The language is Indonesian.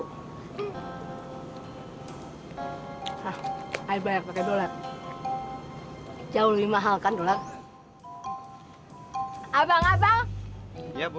saya bayar dolar jauh lebih mahal kan dolar abang abang ibu